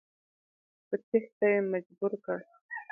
په تېښته یې مجبور کړ.